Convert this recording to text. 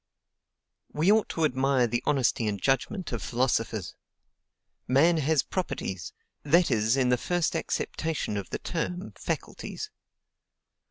We ought to admire the honesty and judgment of philosophers! Man has properties; that is, in the first acceptation of the term, faculties.